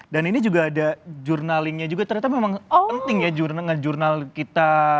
dan ini juga ada journalingnya juga ternyata memang penting ya nge journal kita